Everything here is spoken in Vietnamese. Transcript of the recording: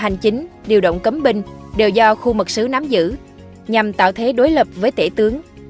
hành chính điều động cấm binh đều do khu mật sứ nắm giữ nhằm tạo thế đối lập với tể tướng